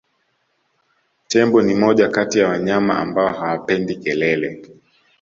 Tembo ni moja kati ya wanyama ambao hawapendi kelele